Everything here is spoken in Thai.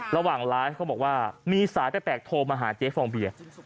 ระหว่างไลฟ์เขาบอกว่ามีสายแปลกโทรมาหาเจ๊ฟองเบียร์